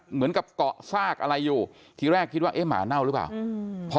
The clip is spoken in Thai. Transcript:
เหมือนกับเกาะซากอะไรอยู่ทีแรกคิดว่าเอ๊ะหมาเน่าหรือเปล่า